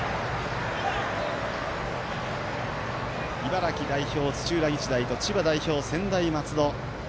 茨城代表、土浦日大と千葉代表、専大松戸。